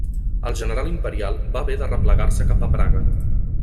El general imperial va haver de replegar-se cap a Praga.